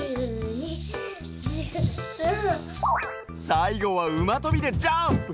さいごはうまとびでジャンプ！